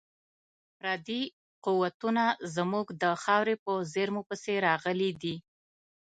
پردي قوتونه زموږ د خاورې په زیرمو پسې راغلي دي.